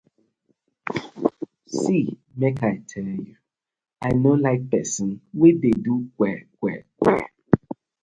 See mek I tell yu, I no like pesin wey de do kwe kwe kwe.